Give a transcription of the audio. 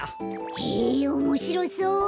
へえおもしろそう。